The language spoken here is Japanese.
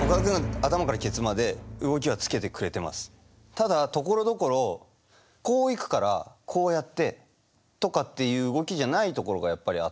ただところどころこう行くからこうやってとかっていう動きじゃないところがやっぱりあって。